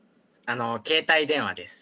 携帯電話です。